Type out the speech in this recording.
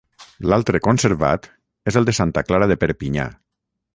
L'altre conservat és el de Santa Clara de Perpinyà.